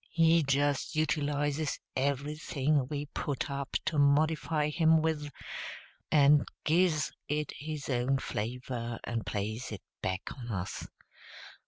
He just utilizes everything we put up to modify him with, and gives it his own flavor and plays it back on us.